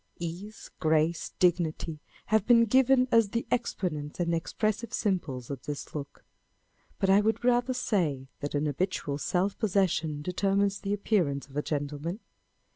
Ease, grace, dignity have been given as the exponents and expressive symbols of this look ; but I would rather say, that an habitual self possession determines the appearance of a gentleman.